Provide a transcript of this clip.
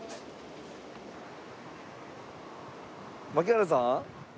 槙原さん。